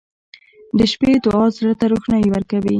• د شپې دعا زړه ته روښنایي ورکوي.